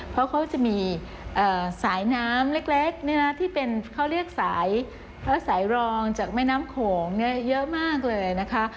เพราะเขาจะมีสายน้ำเล็กที่เป็นเขาเรียกสายพระสายรองจากแม่น้ำโขงเยอะมากเลยนะคะ